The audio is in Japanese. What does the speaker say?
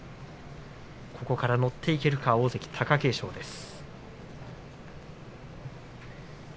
ここから乗っていけるか大関貴景勝です。